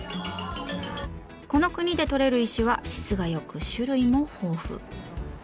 この国でとれる石は質が良く種類も豊富。